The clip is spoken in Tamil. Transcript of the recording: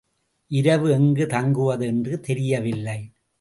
இரவு எங்கு தங்குவது என்று தெரியவில்லை.